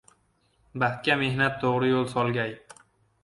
Baxtga mehnat to‘g‘ri yo‘l solgay